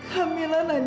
kamilah nanyain haris